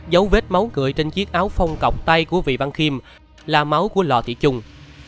dấu vết máu cười trên chiếc áo phong cọc tay của vị văn khiêm là máu của lò thị trung